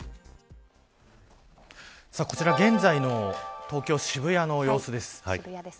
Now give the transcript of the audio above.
こちら現在の東京・渋谷の様子です。